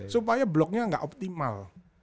supaya bloknya enggak optimal